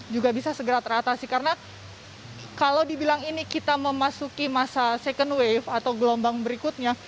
juga bisa segera teratasi karena kalau dibilang ini kita memasuki masa second wave atau gelombang berikutnya